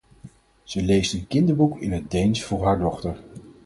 Ze leest een kinderboek in het Deens voor haar dochter.